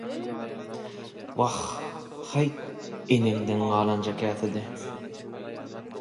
- Wah... haýt... Eneňden galanja käsedi...